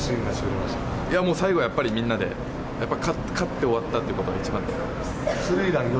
最後やっぱり、みんなでやっぱ勝って終わったっていうことが一番だと思います。